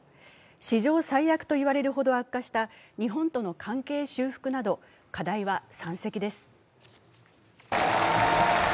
史上最悪と言われるほど悪化した日本との関係修復など、課題は山積です。